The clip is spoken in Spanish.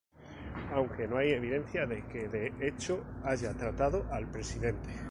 Aunque, no hay evidencia que de hecho haya tratado al Presidente.